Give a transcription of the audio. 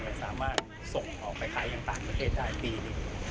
มันสามารถส่งออกไปขายจากต่างประเทศได้ปีนิด